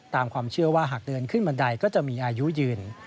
ตามความเชื่อว่าหากเดินขึ้นบันไดก็จะมีอายุยืน